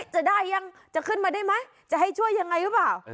จะได้ยังจะขึ้นมาได้ไหมจะให้ช่วยยังไงหรือเปล่า